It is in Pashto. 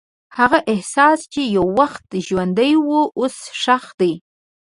هغه احساس چې یو وخت ژوندی و، اوس ښخ دی.